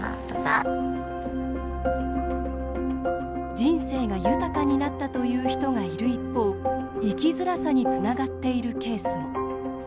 人生が豊かになったという人がいる一方生きづらさにつながっているケースも。